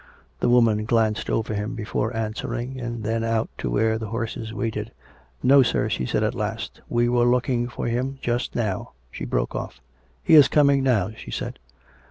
The woman glanced over him before answering, and then out to where the horses waited. " No, sir," she said at last. " We were looking for him just now ..." (She broke off.) " He is coming now," she said.